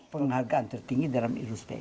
penghargaan tertinggi dalam aerospace